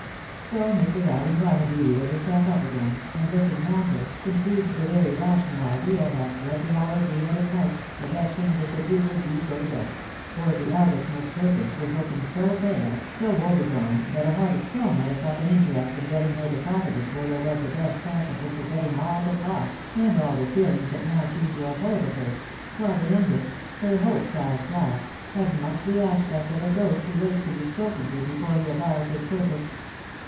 So Mrs. Allen Barnaby reared herself up again, and, looking round her, conceived the very rational idea that, let the hour be what it might, the best thing they could do would be to go to bed; THE MAJOR WELL EMPLOYED. 49. for the eldest Miss Perkins was looking so pale, so wobegone, that a heart of stone might have felt an interest in getting her deposited where there was the best chance of her forgetting all the thoughts and all the feelings that now seemed to have hold of her ; while the youngest, " her hopes all flat," had much the aspect of a ghost who waits to be spoken to before he avows his purpose.